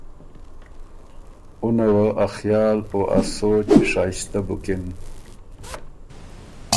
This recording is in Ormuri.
اُنه وه ا خیال او ا سوچ شائستۀ بُکِن۔